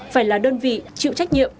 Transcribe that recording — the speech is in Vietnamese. phải là đơn vị chịu trách nhiệm